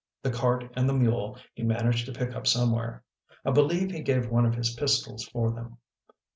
The cart and the mule he managed to pick up somewhere ; I believe he gave one of his pistols for them."